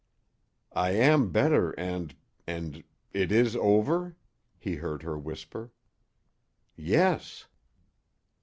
"I am better and and it is over?" he heard her whisper. "Yes."